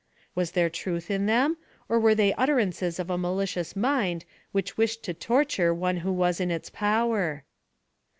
Was there truth in them, or were they the utterances of a malicious mind which wished to torture one who was in its power?